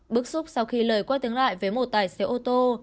bức xúc sau khi lời quay tiếng lại với một tài xế ô tô